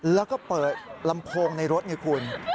แล้วก็เปิดลำโพงในรถไงคุณ